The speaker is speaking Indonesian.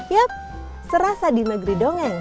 yap serasa di negeri dongeng